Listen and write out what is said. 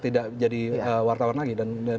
tidak jadi wartawan lagi